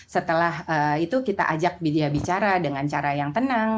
setelah itu kita ajak media bicara dengan cara yang tenang